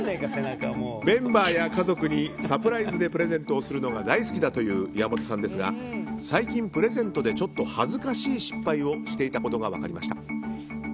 メンバーや家族にサプライズでプレゼントをするのが大好きだという岩本さんですが最近プレゼントでちょっと恥ずかしい失敗をしていたことが分かりました。